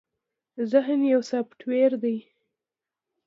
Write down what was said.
ذهن يو سافټ وئېر دے